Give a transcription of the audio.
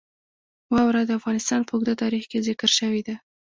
واوره د افغانستان په اوږده تاریخ کې ذکر شوې ده.